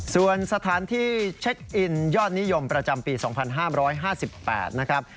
ส่วนสถานที่เช็คอินยอดนิยมประจำปี๒๕๕๘นะครับ